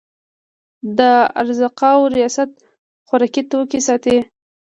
د ارزاقو ریاست خوراکي توکي ساتي